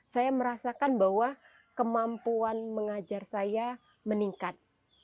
saya merasakan bahwa kemampuan mengajar saya meningkat